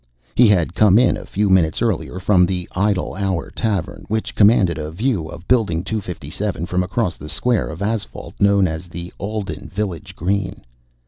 He had come in, a few minutes earlier, from the Idle Hour Tavern, which commanded a view of Building 257 from across the square of asphalt known as the Alden Village Green.